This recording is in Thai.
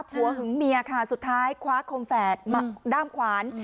หึงเมียค่ะสุดท้ายคว้าคมแฝดมาด้ามขวาน